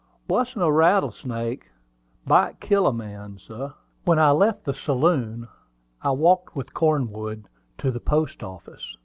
Wuss'n a rattlesnake. Bite kill a man, suah." When I left the saloon, I walked with Cornwood to the post office.